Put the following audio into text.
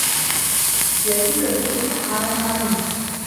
يأتوك بكل سحار عليم